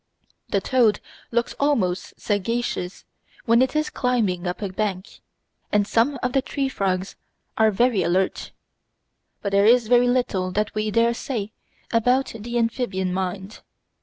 The toad looks almost sagacious when it is climbing up a bank, and some of the tree frogs are very alert; but there is very little that we dare say about the amphibian mind.